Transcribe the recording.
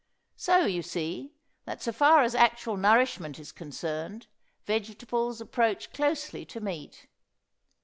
So, you see, that so far as actual nourishment is concerned, vegetables approach closely to meat.